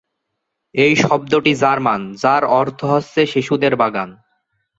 এ শব্দটি জার্মান, যার অর্থ হচ্ছে "শিশুদের বাগান"।